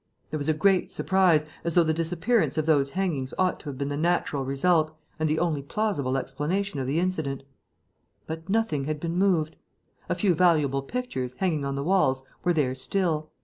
There was a great surprise, as though the disappearance of those hangings ought to have been the natural result and the only plausible explanation of the incident. But nothing had been moved. A few valuable pictures, hanging on the walls, were there still.